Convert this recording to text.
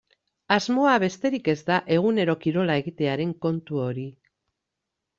Asmoa besterik ez da egunero kirola egitearen kontu hori.